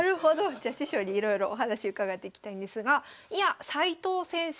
じゃあ師匠にいろいろお話伺っていきたいんですが斎藤先生